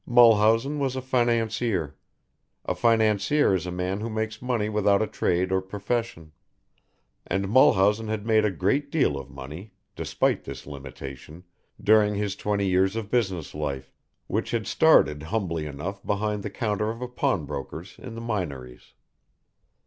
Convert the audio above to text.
Mulhausen was a financier. A financier is a man who makes money without a trade or profession, and Mulhausen had made a great deal of money, despite this limitation, during his twenty years of business life, which had started humbly enough behind the counter of a pawnbroker's in the Minories.